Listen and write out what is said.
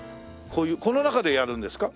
この中でやるんですか？